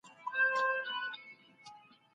انسان څنګه خپل شخصیت او هويت لاسته راوړي؟